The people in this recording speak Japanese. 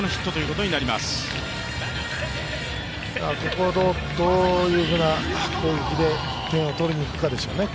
ここをどういうふうな攻撃で点を取りに行くかですよね。